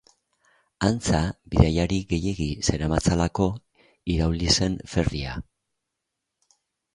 Antza, bidaiari gehiegi zeramatzalako irauli zen ferrya.